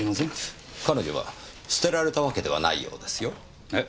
彼女は捨てられたわけではないようですよ。えっ？